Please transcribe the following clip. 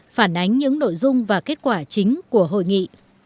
phản ánh những nội dung và kết quả chính của hội nghị